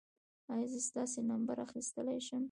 ایا زه ستاسو نمبر اخیستلی شم؟